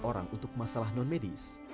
orang untuk masalah non medis